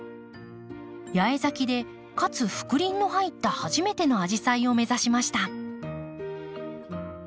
八重咲きでかつ覆輪の入った初めてのアジサイを目指しました。